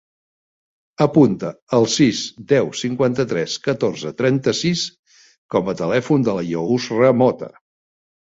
Apunta el sis, deu, cinquanta-tres, catorze, trenta-sis com a telèfon de la Yousra Mota.